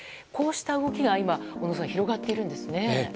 こうした動きが今、小野さん広がっているんですね。